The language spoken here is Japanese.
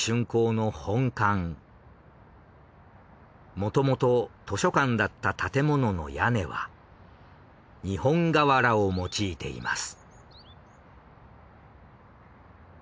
もともと図書館だった建物の屋根は日本瓦を用いています。